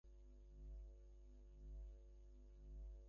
তারপর কে বলিল, বৌমাকে খেতে দে তোরা কেউ একজন।